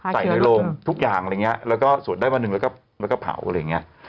ใส่ในโรงทุกอย่างอะไรอย่างเงี้ยแล้วก็สวดได้วันหนึ่งแล้วก็เผาอะไรอย่างนี้